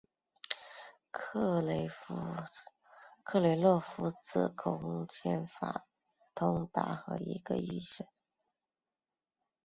克雷洛夫子空间法通常和一个预条件算子和一个内牛顿迭代一起使用。